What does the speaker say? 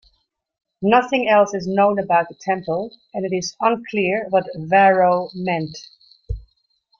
Nothing else is known about the temple, and it is unclear what Varro meant.